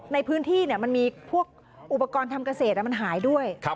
ในพื้นที่มันมีพวกอุปกรณ์ทำเกษตรมันหายด้วย